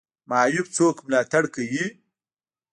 معیوب څوک ملاتړ کوي؟